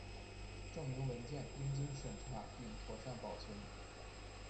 证明文件应经审查并妥善保存